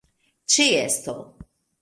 ĉeesto